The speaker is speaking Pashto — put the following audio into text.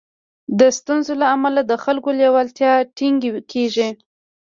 د ستونزو له امله د خلکو لېوالتيا ټکنۍ کېږي.